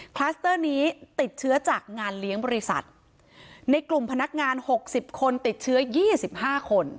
คลัสเตอร์นี้ติดเชื้อจากงานเลี้ยงบริษัทในกลุ่มพนักงาน๖๐คนติดเชื้อ๒๕คน